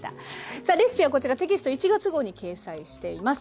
さあレシピはこちらテキスト１月号に掲載しています。